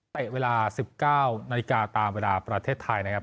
เวลา๑๙นาฬิกาตามเวลาประเทศไทยนะครับ